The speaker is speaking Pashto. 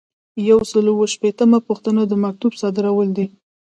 یو سل او شپیتمه پوښتنه د مکتوب صادرول دي.